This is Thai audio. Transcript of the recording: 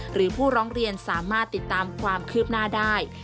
หรือผู้ร้องเรียนสามารถติดตามความคืบหน้าได้